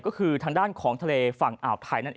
ก็คือทางด้านของทะเลฝั่งอาบไทย